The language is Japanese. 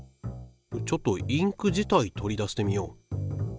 ちょっとインク自体取り出してみよう。